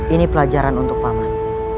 ini pelajaran untuk paman